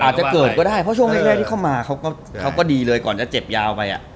อาจจะเกิดก็ได้เพราะช่วงแรกที่เข้ามาเขาก็ดีเลยก่อนจะเจ็บยาวไป